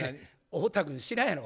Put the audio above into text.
太田君知らんやろ？